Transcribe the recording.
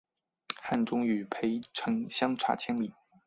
汉中与涪城相差千里。